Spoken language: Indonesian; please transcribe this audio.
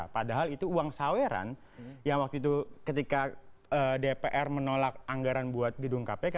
padahal itu uang saweran yang waktu itu ketika dpr menolak anggaran buat gedung kpk